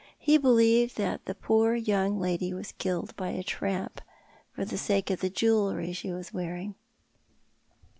He believed that the poor young lady was killed by a tramp, for the sake of the jewellery she was wearing."